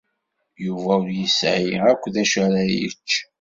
Yuba ur yesɛi akk d acu ara yecc.